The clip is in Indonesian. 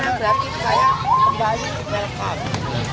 saya kembali kembali